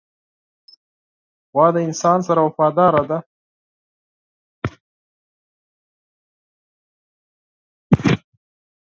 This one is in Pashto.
غوا د انسان سره وفاداره ده.